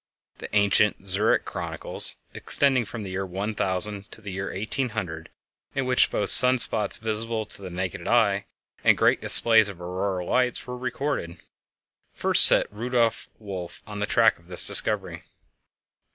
The ancient "Zurich Chronicles," extending from the year 1000 to the year 1800, in which both sun spots visible to the naked eye and great displays of the auroral lights were recorded, first set Rudolf Wolf on the track of this discovery.